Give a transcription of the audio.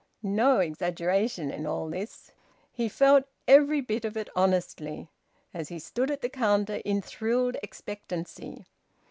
... No exaggeration in all this! He felt every bit of it honestly, as he stood at the counter in thrilled expectancy.